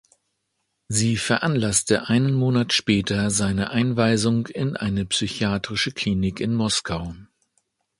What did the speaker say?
Sie veranlasste einen Monat später seine Einweisung in eine psychiatrische Klinik in Moskau.